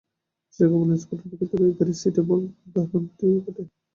বিশেষজ্ঞরা বলেন, স্মার্টফোনের ক্ষেত্রেও ওই গাড়ি ও সিটবেল্টের উদাহরণটি খাটে।